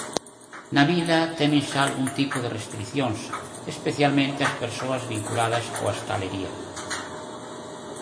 Na vila temen xa algún tipo de restricións, especialmente as persoas vinculadas coa hostalería.